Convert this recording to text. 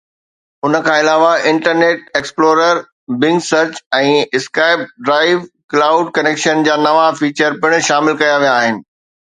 ان کان علاوه internet explorer, Bing search ۽ SkyDrive cloud connection جا نوان فيچر پڻ شامل ڪيا ويا آهن.